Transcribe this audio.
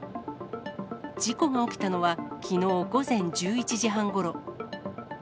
事故が起きたのはきのう午前１１時半ごろ。